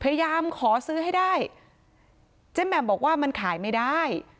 พยายามขอซื้อให้ได้เจ๊แหม่มบอกว่ามันขายไม่ได้